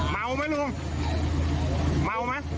เมาไหมลุงเมาไหม